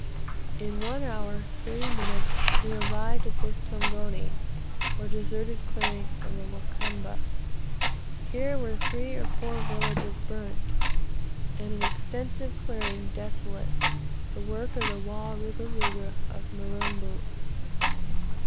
In 1 h. 30 m. we arrived at this Tongoni, or deserted clearing of the Wakamba. Here were three or four villages burnt, and an extensive clearing desolate, the work of the Wa Ruga Raga of Mirambo.